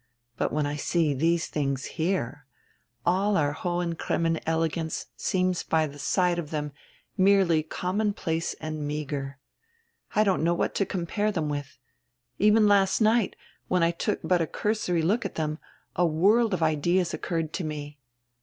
But when I see these tilings here, all our Hohen Cremmen elegance seems by the side of them merely com monplace and meagre. I don't know what to compare them with. Even last night, when I took but a cursory look at them, a world of ideas occurred to me."